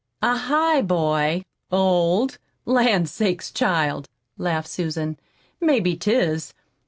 "A highboy? Old? Lan' sakes, child," laughed Susan. "Maybe 'tis.